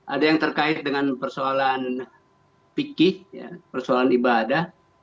ada yang terkait dengan persoalan fikih persoalan ibadah